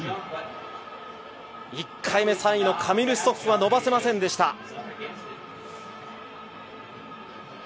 １回目３位のカミル・ストッフは伸ばせませんでした。